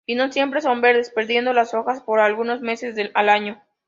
Y no siempre son verdes, perdiendo las hojas por algunos meses al año.